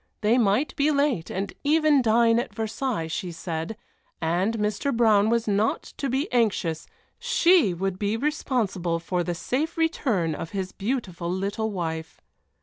They might be late and even dine at Versailles, she said, and Mr. Brown was not to be anxious she would be responsible for the safe return of his beautiful little wife.